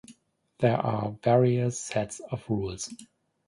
There are various sets of rules.